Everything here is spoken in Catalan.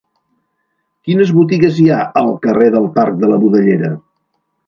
Quines botigues hi ha al carrer del Parc de la Budellera?